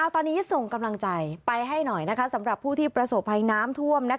ตอนนี้ส่งกำลังใจไปให้หน่อยสำหรับผู้ที่ประสบภัยน้ำท่วม